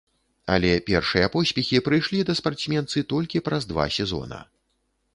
Але першыя поспехі прыйшлі да спартсменцы толькі праз два сезона.